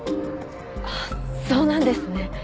あっそうなんですね。